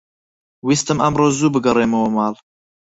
ویستم ئەمڕۆ زوو بگەڕێمەوە ماڵ.